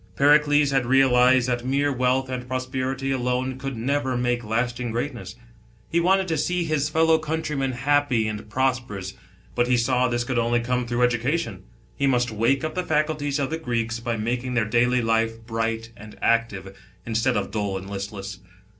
Pericles had realised that mere wealth and pros perity alone could never make lasting greatness. He wanted to see his fellow countrymen happy and prosperous, but he saw this could only come through education. He must wake up the faculties of the Greeks, by making their daily life bright and active, instead of dull and listless.